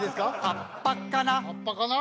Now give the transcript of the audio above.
葉っぱかな？